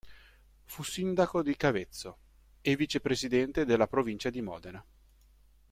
Fu sindaco di Cavezzo e vicepresidente della Provincia di Modena.